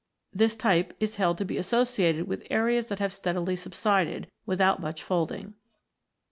This type is held to be associated with areas that have steadily subsided, without much folding.